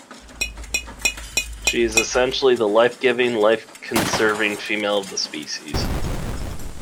She is essentially the life-giving, life-conserving female of the species.